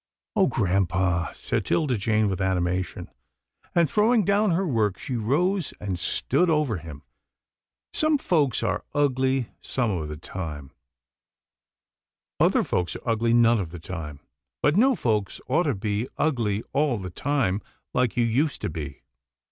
" Oh! grampa," said 'Tilda Jane with animation, and, throwing down her work, she rose and stood over him. Some folks are ugly some of the time, AN UNEXPECTED REQUEST 95 other folks are ugly none of the time, but no folks ought to be ugly all the time, like you used to be.